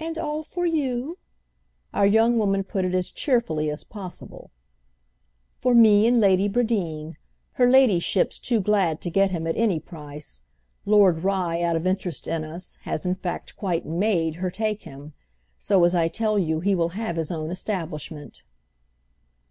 "And all for you?"—our young woman put it as cheerfully as possible. "For me and Lady Bradeen. Her ladyship's too glad to get him at any price. Lord Rye, out of interest in us, has in fact quite made her take him. So, as I tell you, he will have his own establishment."